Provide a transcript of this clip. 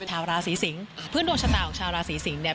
ชาวราศีสิงศ์พื้นดวงชะตาของชาวราศีสิงศ์เนี่ย